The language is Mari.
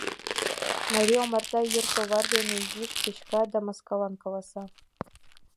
Марий омарта йыр товар дене изиш печка да маскалан каласа.